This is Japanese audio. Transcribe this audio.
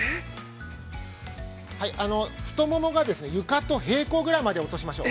太ももが床に平行ぐらいまで落としましょう。